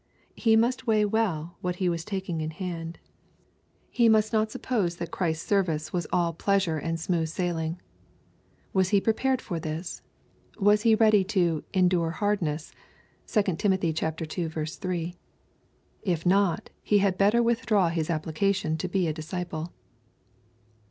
He must weigh well what he was taking in hand. He must not supp*>se that Christy LUKE, CHAP. IX. 389 service was all ^^leasure and smooth sailing. Was he prepared for this ? Was he ready to "endure hardness?*' (2 Tim. ii. 3.) If not, he had better withdraw his ap plication to be a disciple.